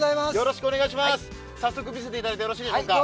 早速見せていただいてよろしいでしょうか。